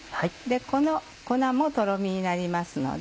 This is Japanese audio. この粉もトロミになりますので。